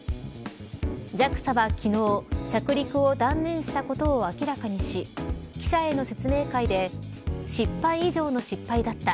ＪＡＸＡは昨日着陸を断念したことを明らかにし記者への説明会で失敗以上の失敗だった。